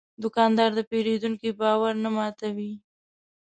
دوکاندار د پېرودونکي باور نه ماتوي.